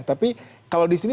tapi kalau di sini